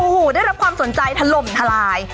โอ้โหได้รับความสนใจถล่มทลาย